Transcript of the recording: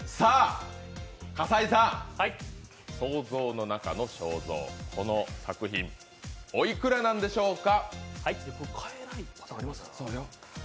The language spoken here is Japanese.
葛西さん、「想像の中の肖像」、この作品、おいくらなんでしょうか？